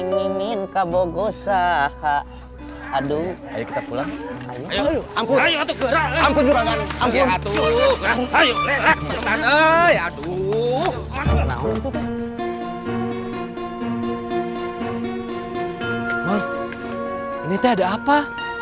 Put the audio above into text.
mak ini teh ada apa